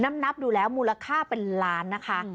นับดูแล้วมูลค่าเป็นล้านนะคะ